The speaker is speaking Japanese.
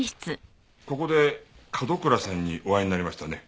ここで角倉さんにお会いになりましたね？